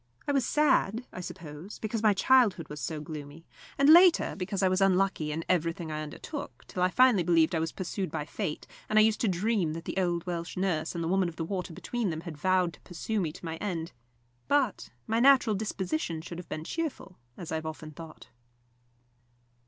I was sad, I suppose, because my childhood was so gloomy, and, later, because I was unlucky in everything I undertook, till I finally believed I was pursued by fate, and I used to dream that the old Welsh nurse and the Woman of the Water between them had vowed to pursue me to my end. But my natural disposition should have been cheerful, as I have often thought.